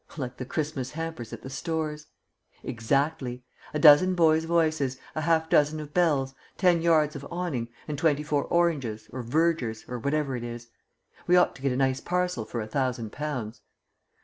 '" "Like the Christmas hampers at the stores." "Exactly. A dozen boys' voices, a half dozen of bells, ten yards of awning, and twenty four oranges, or vergers, or whatever it is. We ought to get a nice parcel for a thousand pounds."